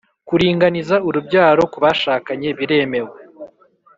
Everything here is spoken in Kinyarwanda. kuringaniza urubyaro kubashakanye biremewe